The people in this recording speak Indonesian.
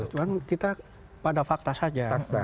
cuma kita pada fakta saja